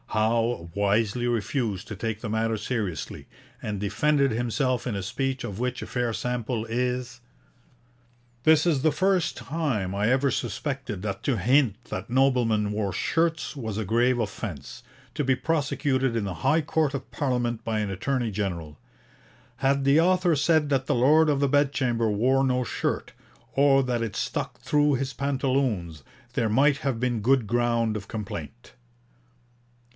Howe wisely refused to take the matter seriously, and defended himself in a speech of which a fair sample is: 'This is the first time I ever suspected that to hint that noblemen wore shirts was a grave offence, to be prosecuted in the High Court of Parliament by an Attorney General. Had the author said that the Lord of the Bedchamber wore no shirt, or that it stuck through his pantaloons, there might have been good ground of complaint.'